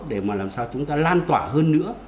để mà làm sao chúng ta lan tỏa hơn nữa